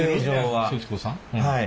はい。